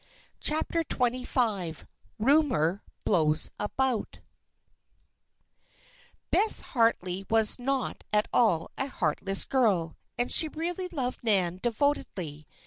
CHAPTER XXV RUMOR BLOWS ABOUT Bess Harley was not at all a heartless girl; and she really loved Nan devotedly.